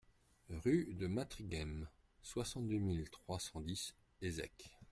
Rue de Matringhem, soixante-deux mille trois cent dix Hézecques